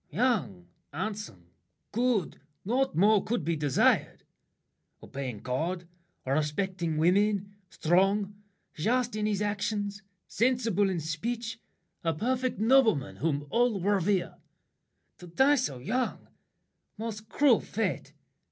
Young, handsome, good, naught more could be desired; Obeying God, respecting women, strong; Just in his actions, sensible in speech, A perfect nobleman, whom all revere! To die so young! Most cruel fate!